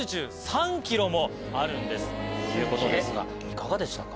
いかがでしたか？